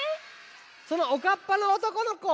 そのおかっぱのおとこのこ。